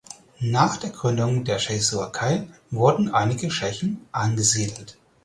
Nach der Gründung der Tschechoslowakei wurden einige Tschechen angesiedelt.